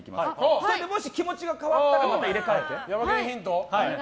それでもし気持ちが変わったらまた入れ替えて。